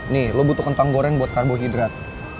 nih lo butuh kentang goreng buat karbohidrat